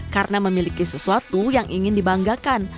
karena memiliki sesuatu yang ingin dibanggakan